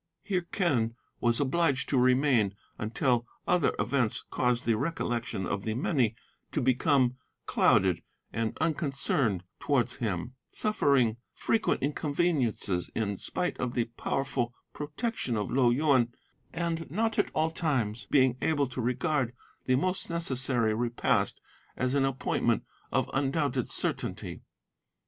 Here Quen was obliged to remain until other events caused the recollection of the many to become clouded and unconcerned towards him, suffering frequent inconveniences in spite of the powerful protection of Lo Yuen, and not at all times being able to regard the most necessary repast as an appointment of undoubted certainty.